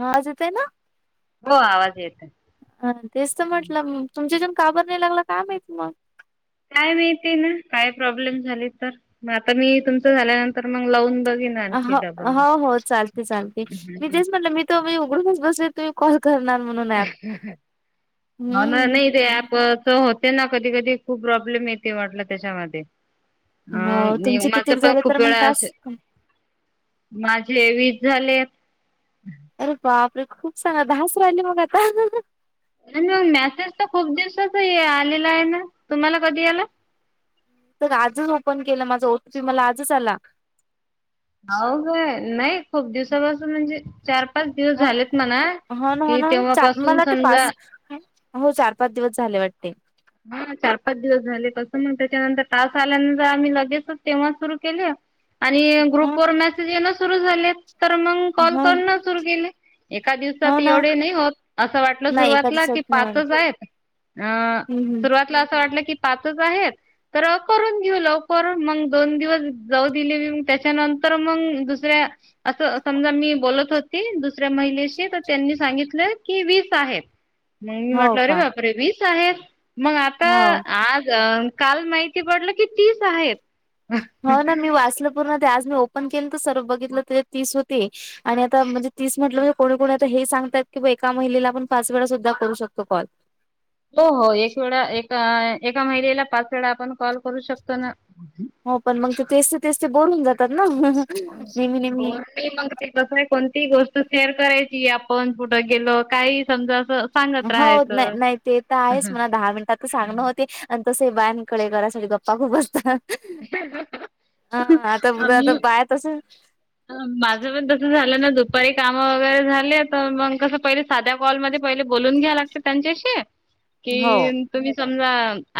आवाज येतोये ना? हो आवाज येत आहे. अ तेच तर म्हटल तुमच्या जन्म का बर नाही लागला काय माहीत मग? काय माहिती ना? काय प्रॉब्लेम झाले तर म आम्ही तुमच झाल्यानंतर मग लावून बघीन ह आणखी डबल हो हो चालते चालते. मी तेच म्हटलं मी त बाई उघडूनच बसले तूम्ही कॉल - ना हम्म नाही रे ऍपच हो त्यांना कधी कधी खूप प्रॉब्लेम येते वाटल त्याच्यामध्ये अ हो नाही तुमचे माझ कितीक पण झाले तर खूप मग वेळा अस टास्क माझे वीस झालेत. अरे बाप रे खूप सांगा द हाच राहिले मग आता. मग मॅसेज तर खूप दिवसाचा आलेला आहे ना? तुम्हाला कधी आला? तर आजच ओपन केल. माझा ओटिपी मला आजच आला आहो होय, नाही खूप दिवसापासून म्हणजे चार पाच दिवस ह झालेत म्हणा. हो ना हो कि ना चा मला तेव्हापासून वाटते समजा पाच हो चार पाच दिवस झाले वाटत. हा चार पाच दिवस झाले. तसं मग त्याच्यानंतर टास्क आल्यानंतर आम्ही लगेचच तेव्हा सुरु केल आणि हो ग्रुप वर ना मेसेज येण सुरू झाले तर मग कॉल हो करण सुरू केले. एका हो दिवसात ना एवढे नाही होत. असं वाटलं नाही एका सुरुवातीला कि दिवसात नाही पाचच आहेत अ हम्म हम्म सुरुवातीला असं वाटलं की पाचच आहेत तर करून घेऊ लवकर. मग दोन दिवस जाऊ दिले मी त्याच्या नं नंतर मग दुसऱ्या अस समजा मी बोलत होती दुसऱ्या महिलेशी त्यांनी सांगित ले की वीस आहेत? मग मी हो म्हटल अरे का बाप रे! वीस आहे. मग आता हो आज काल माहिती पडल की तीस आहेत. हो ना मी वाचलं पूर्ण. ते आज मी ओपन केले तर सर्व बघितलं तर तीस होते आणि आता म्हणजे तीस म्हटलं म्हणजे कोणी कोणी आता हे सांग तात की एका महिलेला आपण पाच वेळा सुद्धा करू शकतो कॉल. हो हो एक वेळा एका एका महिलेला पाच वेळा आपण कॉल करू शकतो ना. हो पण मग ते तेचते तेचते बोर होऊन जातात ना. नेहमी नेहमी. बोर नाही मग ते कसंय कोणती गोष्ट शेअर करायची. आपण कुठ गेलो? काहीही समजा अस हो नाय नाही ते तर आहेच म्हणा दहा मिनिटात त सांगण होते तसे बायांकडे घरासाठी गप्पा खूप असतात. हा आता बघा आता बाया तस माझं पण तस झालं ना दुपारी काम वगैरे झाले तर मग कस पहिले साध्या कॉलमध्ये पहिले बोलून घ्याव लागत त्यांच्याशी हो कि तुम्ही समजा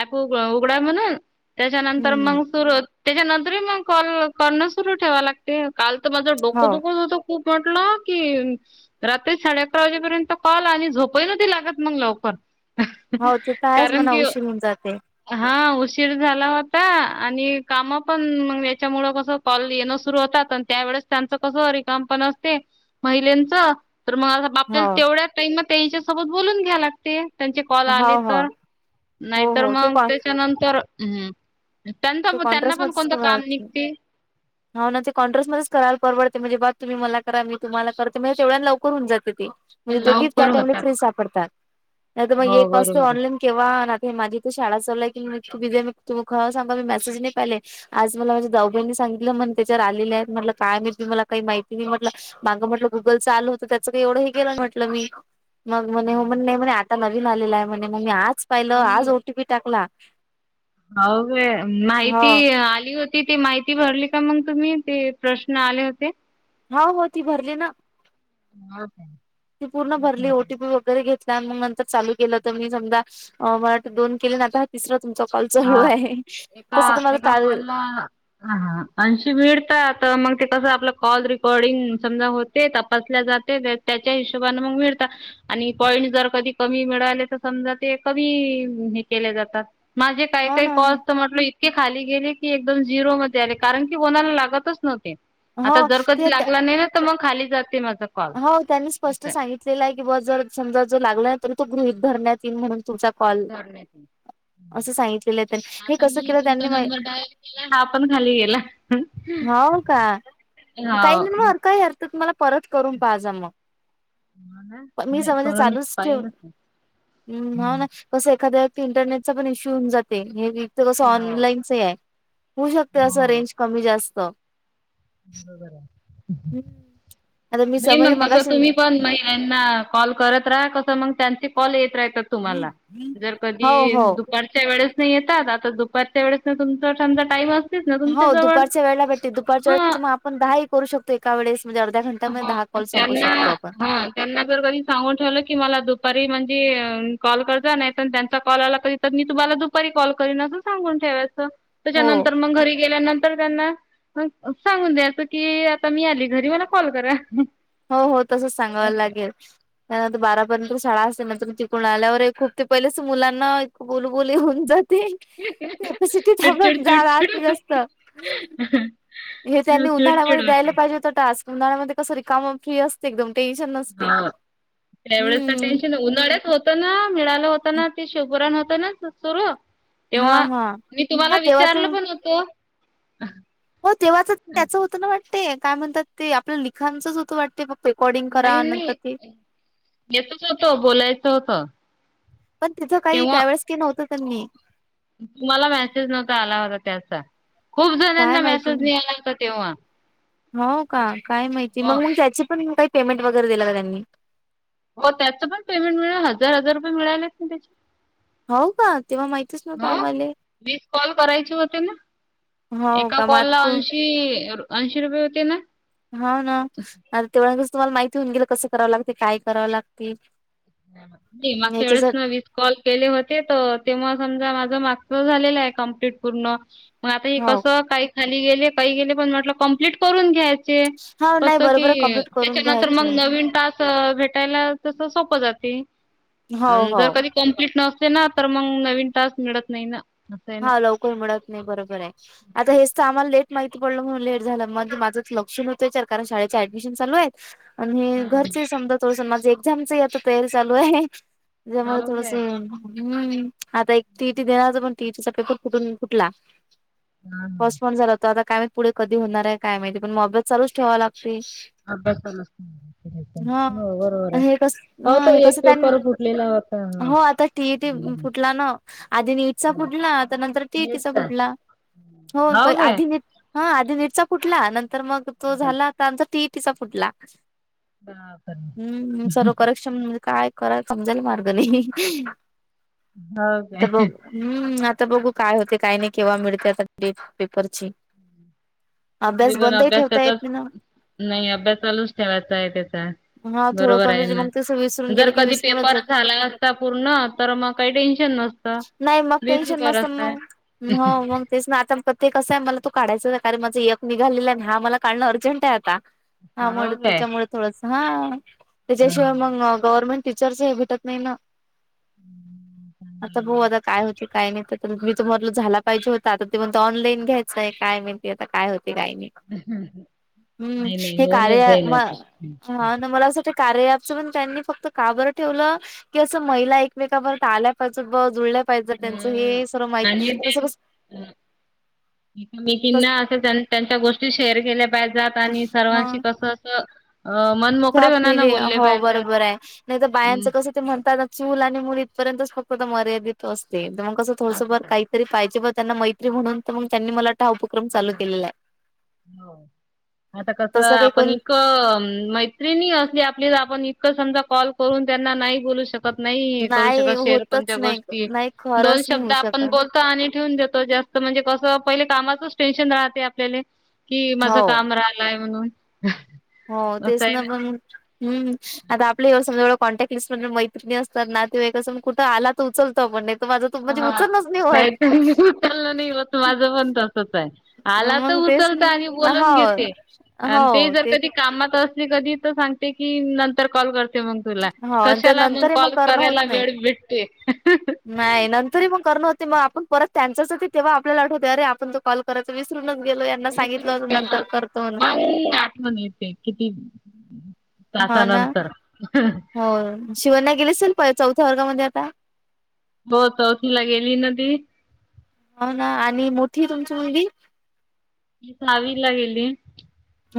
ॲप उघडा म्हणून. त्याच्यानंतर हम्म मग सुरू त्याच्यानंतर बी मग कॉल करण सुरु ठेवा लागते काल त माझं डोकं हो. दुखत होत. खूप म्हटलं की रात्री साडे अकरा वाजेपर्यंत कॉल आणि झोपही नव्हती लागत मग लवकर. हो ते तर आहेच कारण म्हणा की उशीर होऊन जाते हा... उशीर झाला होता आणि काम पण मग याच्यामुळे माझा कॉल येण सुरू होतात अन... त्या वळेस त्यांचं कस रिकाम पण असते महिलेंच... तर मग हो आपल्याला तेवढ्याच टाईम म त्यांच्या सोबत बोलून घ्या लागते.... त्यांची कॉल हो आली हो तर हो नाहीतर हो ते मग कॉ त्याच्यानंतर हुं.... [unintelligible] निघते. कराल परवडते म्हणे बा तुम्ही मला करा मी तुम्हाला करते म्हणजे तेवढ्या लवकर हून जाते.... म्हणजे दोघी त्या लवकर टाईमला होतात फ्री सापडतात नाहीतर मग एक असते ऑनलाईन केव्हा... माझी तर शाळा चाल चालू आहे... मेसेज नाही पाहिलाय आज मला माझ्या जाऊबाईंनी सांगितलं मन त्याच्यावर आलेले आहेत म्हटलं काय माहीत मला काही माहिती नाही म्ह... म्हंटल माग म्हटलं गुगलच आल होतं त्याच काही एवढं हे केलं म्हटल मी. मग म्हणे हो म्हणे नाही म्हणे आता नवीन आलेला आहे म्हणे म मी आज पाहिलं आज ओटीपी टाकला... अहो मी हो माहिती आली होती ती माहि.. ती भरली का मग तुम्ही ते प्रश्न आले होते... हो हो ती भरली ना ती पूर्ण भरली ओटीपी वगैरे घेत... ला मग नंतर चालू केलं तर मी समजा अ मला वाट दोन केले आणि आता हा तिसरा... तुमचा कॉल चालू आहे.... एका तसं तर माझं एका चाल कॉलला ऐशी मिडतात त मग... ते कसं आपलं कॉल रेकॉर्डिंग समजा होते तपासल्या जाते त्याच्या हिशोबान मग मिळता... आणि पॉइंट जर कधी कमी मिळाले तर समजा ते कमी हे केले जातात... माझे काही हो काही ना कॉल्स तर म्हटलं.. इतके खाली गेले की एकदम झिरो मध्ये आले कारण की कोणाला लागतच नव्हते... हो आता जर कधी ते लागला नाही ना तर म खाली जाते मग. हो त्यांनी स्पष्ट सांगितलेलं आहे की बा जर समजा जो लागला.... तर तू गृहित धरण्यात येई म्हणून तु.... धरणे ते... सांगितलेलं आहे त्यांनी हे आता कसं मी केलं तुमचा त्यांनी मा नंबर डायल केला हा पण खाली गेला... हो का काही नि म अर काही अर्थ तुमला परत करून पाहाज मग.... प हो मी नाही समजे करून चालूच ठेव् पाहिन ह ना कसं एखाद्या... इंटरनेटचा पण इश्यू होऊन जाते हे वच कसं हो ऑनलाईनच आहे... होऊ शकते असं रेंज कमी जास्त... ह बरा... आता मी नाही समज मग कसं मगाशी तुम्ही पण महिना कॉल करत राहा कसं मग त्यांचे कॉल येत राहा... तुम्हाला जर हो कधी हो दुपारच्या वेळेस... येतात आता दुपारच्या वेळेस तुमचाचा टाईम असतो. हो दुपारच्या वेळेला भेटते दुपारच्या हां वेळे मग आपण दहा ह करू शकतो एका वेळेस. म्हणजे अर्ध्या घंट्यामध्ये दहा कॉल संपू शकतो आपण त्यांना जर कधी सांगून ठेवलं की मला दुपारी. कॉल करत नाहीत त्यांचा कॉल आला कधी तर मी तुम्हाला दुपारी कॉल करीन सांगून ठेवायचं. हो त्याच्यानंतर मग घरी गेल्यानंतर... तर त्यांना सांगून द्यायचं की आता मी आली घरी मला कॉल करा... हो हो तसच सांगावला लागेल त्यानंतर बारा... पण शाळा असते नंतर तिकून आल्यावर खूप ते पहिलेच मुलांना बोललबुली होऊन जात... ते कॅपॅसिटी थांबत जाला आता जास्त. हे त्यांनी उन्हाळ्यामध्ये द्यायला पाहिजे होत टास्क उन्हाळ्यामध्ये कसरी काम फ्री असते एकदम. टेन्शन नसते... तेवढच हम्म टेन्शन उन्हाळ्यात होत ना मिळालं होतं ना ते शोभरान होत. स हा तेव्हा हा. मी हा तुम्हाला तेव्हा तर विचारलं पण होत. हो तेव्हाच त्याच होत ना वाटते काय म्हणतात ते आपलं लिखाचच होत वाटते पप्प. नाही नाही घेतच होत बोलायचं होत. पण तिथं काही त्यावेेळेस क नव्हतं त्यां मी. तुम्हाला मेसेज नव्हता आला होता त्याचा खूप काय जणांना माहिती मेसेज निळाला होता तेव्हा. हो का काय माहिती हो मग मग त्याची पण काही पेमेंट वगैरे दिलं का त्यांनी. हो त्याच पण पेमेंट मिळेल हजार हजार रुपये मिळालेच ना त्याची. हो का तेव्हा माहितीच [inaudible] नव्हतं ह आम्हाले मीस कॉल करायचे होते ना. हो एका का मग कॉल आता ला तू ऐंशी ऐंशी रुपये होते ना. हा ना तेव्हा तुम्हाला माहिती होऊन गेल कसं करावं लागते काय करावं लागते. माग एढच याच्यासाठी विस कॉल केले होते त तेव्हा समजा मा. झा क् पूण आ हो कस का. खा गेले काही गेले पण म्हटलं कम्प्लीट करून घ्यायच. हो नाही की बरोबर कम्प्लीट करून त्याच्यानंतर मग घ्यायचं नवीन टास्क भेटायला तस सोपं जात. हो हो जर कधी कंप्लीट नसते ना तर मग नवीन टास्क मिळत नाही ना. असं आहे ना. हा लवकर मिळत नाही बरोबर आहे आता हेच तर आम्हाला लेट. माहिती पडलं म्हणून लेट झालं मग माझंच लक्ष नवतं चर कारण शाळेचे ऍडमिशन चालू आहेत. आणि हे घरचे समजा तोल माझे एक्झामची आता तयारी चालू आहे. त्याच्यामुळे थोडस हम आता एक तीटी देणारच पण. ती तचा पेपर फुटून फुटला पस् पन झाला हो आता. काय माहिती पुढे कधी होणार आहे काय माहिती पण मोबाईल चालूच ठेवा लागतील. अभ्यासाला हो बरोबर आहे आणि हे कस हो हा तो हे एक कसं त्यां पेपर फुटलेला होता. हो आता टीईटी फुटला ना आधी नीट. फुटला तर नंतर टीटीचा फुटला हो प आधीने. हा आधी नीटचा फुटला नंतर मग तो झाला आता आमचा टीईटीचा फुटला. हम्म सर्वकारेक्षम म्हणजे काय. कोरा कमजल मारदनी. हो काय. हम्म आता बघू काय होते काही नाही केव्हा मिळते आता डेट पेपरची. अभ्यास बंदही ठेवता येत नाही ना. नाहीय अभ्यास चालूच ठेवायचा आहे त्याचा. ना हा थोडं बरोबर पण आहे म्हणजे ना मग तसं विसरून जर गेलं की कधी विसरूनच पेपर जात झाला असता पूर्ण तर मग काही टेन्शन. नस्त. नाही मग टेन्शन नसतं मग हो मग तेच ना आता म. ते कसं आहे मला तू काढायं आहे कारण माझं एकक निघालेलं आहे हा मला काढणं अर्जंट आहे आता. हामुळे त्याच्यामुळे थोडस हा त्याच्याशिवाय मग गव्हर्नमेंट. टीचर् भेटत नाही ना आता. काय काय मी त म्हटलं झाला पाहिजे होता ते म्हणते ऑनलाईन घ्यायचय काय माहिती आता काय होत. काही नाही हम्म हे कार्य हा मला असं. कार्य ॲप च पण त्यांनी फक्त काबर ठेवलं की अस महिला एकमेकांबर [unintelligible] पाहिजे जुल्या. त्यांच हे सर्व [unintelligible] जस कस. [unintelligible] तस असं त्यांच्या गोष्टी शेअर केल्या पाहिज्यात. आणि सर्वांशी कस अस. त्या फ्रीली हो पाहिजात. बरोबर आहे नाहीतर बायांचं कस ते म्हणतात. चूल आणि मूल इथपर्यंतच फक्त मर्यादित असते तर मग कस थोडसं बर काहीरी पाहिजे. त्यांना मैत्री म्हणून तर मग त्यांनी मला वाटत हा उपक्रम चालू केलेला आहे. हो आता कस तसं काही आपण कोणी इक माहि मैत्रीण असली आपलीला आपण इतकं समजा कॉल करून त्यांना नाही बोलू शकत. कत नाही करू शकत शेर होतच कोणत्या नाही गोष्टी. नाही दोन खरंच नाही शब्द होऊ आपण शकत. बोलतो आणि ठेवून देतो जास्त म्हणजे कसं पहिले काम. टेन्शन राहते आपल्याले कि माझं हो. काम राहिलाय म्हणून. हो असं तेच आहे ना पण हम्म आता आपले एवढ समजा एढ कॉन्टॅक्ट लिस्ट मैत्रणी असतात ना ते कसंण कुठं आला तर उचलतो आपण तर माझं तू म्हणजे हा उचलच नाही होत. नाहीत [unintelligible] नाही बस माझं पण तसच आहे आला तर मग तेच उचलत नाही आणि बोलून हो घेते आणि ते जर कधी कामात असले कधी सांगते की नंतर कॉल कर मग तुला हो तर कशाला मग नंतर कॉल करणं होत करायला नाही. वेळ भेटते नाही नंतरही मग करण होते मग आपण परत त्यांच्याच तेव्हा आपल्याला आठवते अरे तर कॉल करायचं विसरून गेलो यांना सांगितलं होत नंतर करतो म्हणून मग आठवण येते किती हा ना तासानंतर. हो शिवंन्या गेली असेल चौथ्या वर्गामध्ये आता हो चौथी ला गेली न ती हो ना आणि मोठी तुमची मुलगी ती सहावीला गेली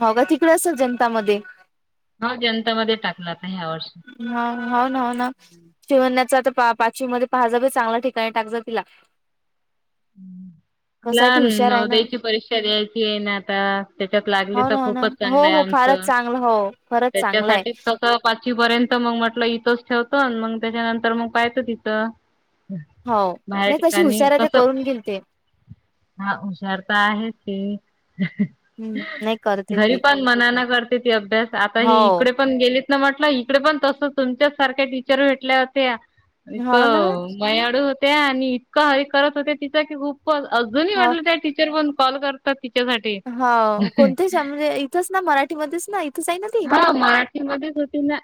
हो का तिकडे असं जनतामध्ये हा जनतामध्ये टाकल आता ह्या वर्षी हा हो ना हो ना शिवंण्याच आता पाचवी मध्ये पहाज ब चांगल्या ठिकाणी टाकजा तिला हम्म [inaudible] कसं तिला आहे ती हुशार आहे ना नवोदयची परीक्षा द्यायची आहे ना आता त्याच्यात लागली हो तर ना हो ना खूपच हो हो चांगल्या फारच चांगलं हो खरंच त्याच्या चांगलं आहे साठी सगळ पाचवी पर्यंत मग म्हटलं इथंच ठेवतो मग त्याच्यानंतर मग पायतो तिथं हो बाहेर नाही तशी ठिकाणी हुशार आहे ते कस करून घेईल ते हा हुशार तर आहे ती हम्म नाही करते घरी ती पण मनाना करते ती अभ्यास आता हो ही इकडे पण गेली म्हटलं इकडे पण तस तुच्याचसारख्या टीचर भेटल्या होत्या इथ हो ना मयाळू होत्या आणि इतक हरी करत होत्या तिचा की खूप पण अजूनही वाटलं त्या टीचर पण कॉल करतात तिच्यासाठी हा कोणती शाळा म्हणजे इथंच ना मराठीमध्येच ना? इथंच आहे ना ती ह मराठीमध्येच होती ना.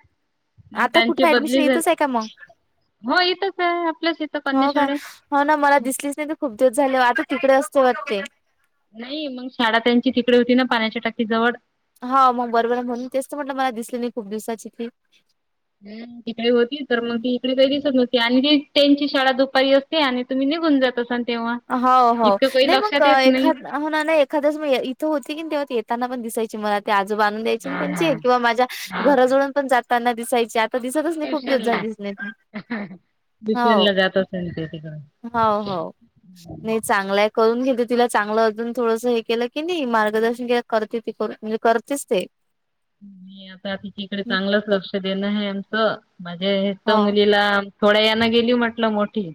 मग आता त्यांची कुठे ऍडमिशन बदली झाली इथच आहे का मग? हो इथंच आहे आपल्याच इथं कन्या हो काय शाळेत हो ना मला दिसलीच नाही तर खूप दिवस झाली आधी तिकडे असते वाटते नाही मग शाळा त्यांची तिकडे होती ना पाण्याच्या टाकी जवळ हा मग बरोबर आहे म्हणून तेच तर म्हटलं मला दिसले नाही खूप दिवसाची ती ह तिकडे होती तर मग हम्म. ती इकडे काही दिसत नव्हती आणि ती त्यांची शाळा दुपारी असते आणि तुम्ही निघून जात असाल तेव्हा हो हो इतकं काही नाही मग लक्षात येत नाही एखाद होणा नाही एखादच म इथं होती की तेव्हा येताना पण दिसायची मला ते आजोबा आणून द्यायचे ना त्यांचे किंवा माझ्या घराजवळून पण जाताना दिसायची. आता दिसतच नाही खूप दिवस झाले, दिसली नाही. ट्युशन ला हो जात असेल ती हो तिकडं हो. नाही चांगल आहेत करून घेते तिला चांगलं अजून थोडस हे केलं की नाही मार्गदर्शन केलं की करते ती कर म्हणजे करतेच ते आणि आता तिच्याकडे हम्म. चांगलंच लक्ष देणं आहे आमचं म्हणजे एक तर हो मुलीला थोड्या याना गेली म्हटलं मोठी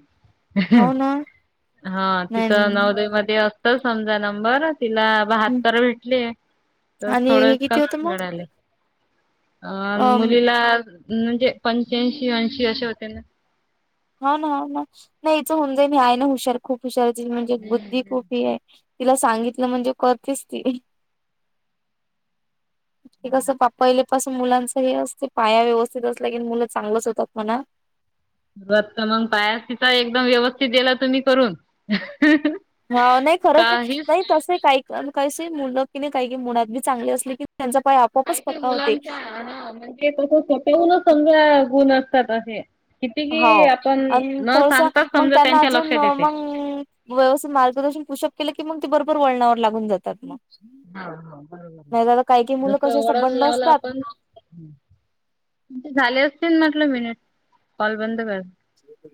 हो ना हा नाही तिथं नवोदयमध्ये असतं समजा नंबर तिला हं. बहात्तर भेटलीय तर आणि थोडं हे किती होतं कमी मग आले अन् अ मुलीला म्हणजे पंच्याऐंशी ऐंशी अशे होते ना हाव ना हो ना नाही इचं होऊ जाईन ही आहे ना हुशार खूप हुशारच आहे म्हणजे बुद्धी कुठे आहे तिला सांगितलं म्हणजे करतेच ती [inaudible] ते कसं पहा पहिले पासून मुलांच हे असते पाया व्यवस्थित असलं की मुलं चांगलंच होतात म्हणा. [unintelligible] पायाच तिचा एकदम व्यवस्थित दिला तुम्ही करून हा नाही खरंच नाही काहीच नाही तसे काही काही स मुलं की नाही काही मुळात बी चांगले असले की त्यांचा पाय आपोआपच काहीतरी पक्का होते मुलांचा हा म्हणजे तस स्वतःहूनच समजा गुण असतात असे किती हो कि आपण अन् न थोडसं सांगताच मग समजा त्यांना त्यांच्या अजून लक्षात येते. मग व्यवस्थित मार्गदर्शन पुशप केलं की मग ते बरोबर वळणावर लागून जातात मग हा हा बरोबर नाही तर काही काही मुलं जस कशी असतात वळण बंड लावलं असतात आपण ते झाले असतील म्हटलं मिनिट कॉल बंद कर [unintelligible]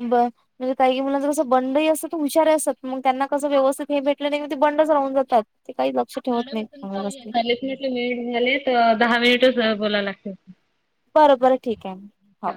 बर म्हणजे काही काही मुलां कसं बंडही असतात हुशार ही असतात मग त्यांना कसं व्यवस्थित हे भेटलं नाही मग ते बंडच राहून जातात. ते काही लक्ष ठेवत मॅडम नाहीत तुमचे व्यवस्थित चाळीस मिनिट मिनट झालेत दहा मिनिटच बोलायला लागते बरबर ठीक आहे हो